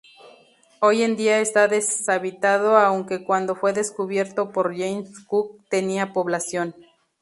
Hoy en día está deshabitado aunque cuando fue descubierto por James Cook tenía población.